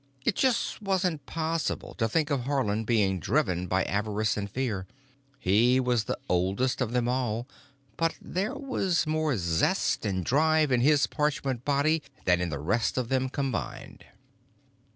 It just wasn't possible to think of Haarland being driven by avarice and fear. He was the oldest of them all, but there was more zest and drive in his parchment body than in the rest of them combined.